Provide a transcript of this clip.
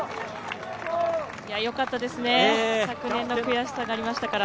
よかったですね、昨年の悔しさがありましたから。